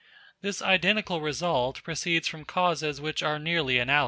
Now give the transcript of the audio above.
This identical result proceeds from causes which are nearly analogous.